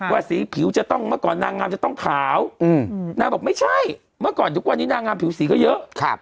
สีผิวจะต้องเมื่อก่อนนางงามจะต้องขาวนางบอกไม่ใช่เมื่อก่อนทุกวันนี้นางงามผิวสีก็เยอะ